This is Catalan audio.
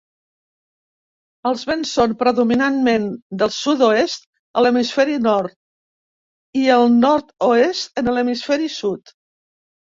Els vents són predominantment del sud-oest a l'Hemisferi Nord i el nord-oest en l'Hemisferi sud.